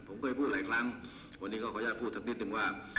ผมเคยพูดหลายครั้งวันนี้ก็ขออนุญาตพูดสักนิดนึงว่า